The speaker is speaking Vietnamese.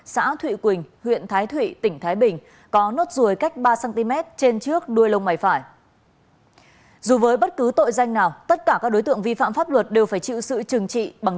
xin chào các bạn